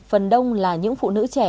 phần đông là những phụ nữ trẻ